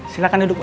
silahkan duduk pak